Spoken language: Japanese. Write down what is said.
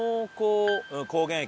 高原駅。